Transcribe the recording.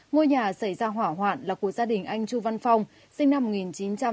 ngôi nhà xảy ra hỏa hoạn là của gia đình anh chu văn phong sinh năm một nghìn chín trăm tám mươi